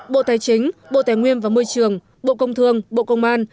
bộ tài chính bộ tài nguyên và môi trường bộ công thương bộ công an